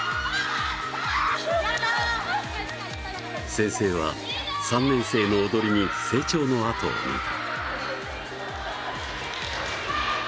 先生は３年生の踊りに成長の跡を見た。